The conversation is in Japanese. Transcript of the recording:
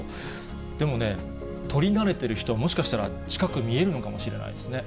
でもね、採り慣れている人は、もしかしたら近く見えるのかもしれないですね。